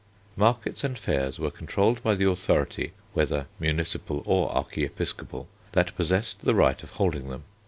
Markets and fairs were controlled by the authority, whether municipal or archiepiscopal, that possessed the right of holding them.